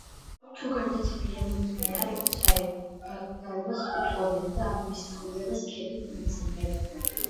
თუ გარდაცვლილი მორწმუნე არ იყო, საერო დაკრძალვას უწყობენ და მის ცხოვრებას ქებით მოიხსენიებენ.